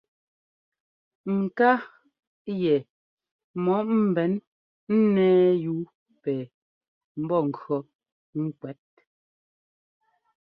Ŋká yɛ mɔ ḿbɛn ńnɛ́ɛ yúu pɛ mbɔ́ŋkʉɔ́ ŋ́kwɛ́t.